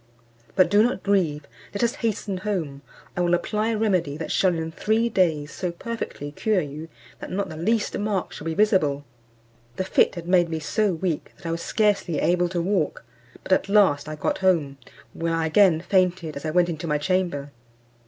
But do not grieve; let us hasten home, I will apply a remedy that shall in three days so perfectly cure you, that not the least mark shall be visible." The fit had made me so weak, that I was scarcely able to walk. But at last I got home, where I again fainted, as I went into my chamber.